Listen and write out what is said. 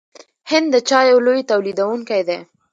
هند د چایو لوی تولیدونکی دی.